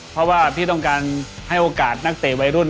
เพราะว่าพี่ต้องการให้โอกาสนักเตะวัยรุ่น